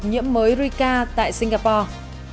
bổ nhiệm mới rica tại singapore